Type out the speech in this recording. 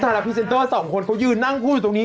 สำหรับพริเศนโต้สองคนเขาอยู่นั่งพูดอยู่ตรงนี้